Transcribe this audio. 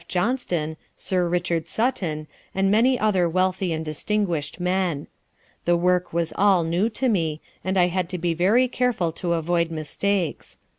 Johnston, Sir Richard Sutton, and many other wealthy and distinguished men. The work was all new to me, and I had to be very careful to avoid mistakes.